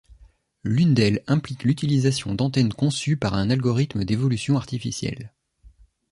L’une d’elles implique l’utilisation d’antennes conçues par un algorithme d'évolution artificielle.